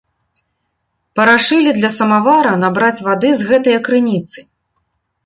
Парашылі для самавара набраць вады з гэтае крыніцы.